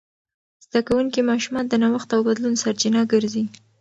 زده کوونکي ماشومان د نوښت او بدلون سرچینه ګرځي.